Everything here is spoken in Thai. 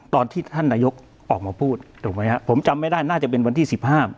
ตอนที่ท่านนายกออกมาพูดถูกไหมครับผมจำไม่ได้น่าจะเป็นวันที่สิบห้า